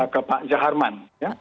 ke pak jaharman